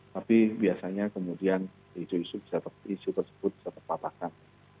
tapi biasanya kemudian isu isu tersebut bisa terpatahkan